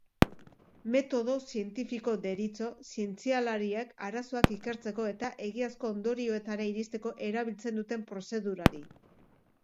Metodo zientifiko deritzo zientzialariek arazoak ikertzeko eta egiazko ondorioetara iristeko erabiltzen duten prozedurari.